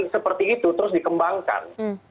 seperti itu terus dikembangkan